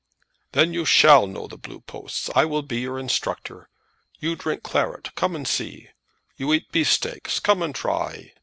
"Then you shall know the Blue Posts. I will be your instructor. You drink claret. Come and see. You eat beefsteaks. Come and try.